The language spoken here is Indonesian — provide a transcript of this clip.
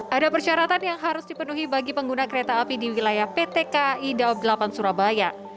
ada persyaratan yang harus dipenuhi bagi pengguna kereta api di wilayah pt kai daob delapan surabaya